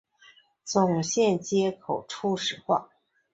总线接口初始化